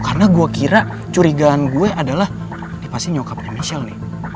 karena gue kira curigaan gue adalah pasti nyokapnya michelle nih